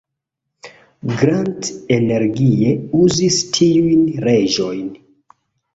Grant energie uzis tiujn leĝojn.